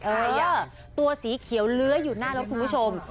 รายเยอร์ตัวสีเขียวเลื้อยอยู่หน้ารถคุณผู้ชม